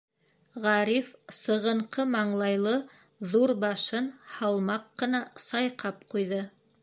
Ғариф сығынҡы маңлайлы ҙур башын һалмаҡ ҡына сайҡап ҡуйҙы: